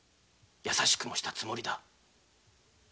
優しくもしたつもりだ。